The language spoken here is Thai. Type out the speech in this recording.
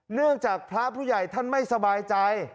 เนื่องจากพระผู้ใหญ่ท่านไม่สบายใจ